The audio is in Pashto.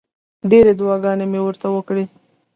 ډېرې دعاګانې مې ورته وکړې.